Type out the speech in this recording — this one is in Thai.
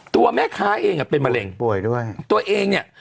อ๋อตัวแม่ค้าเองอะเป็นมะเร็งตัวเองเนี่ย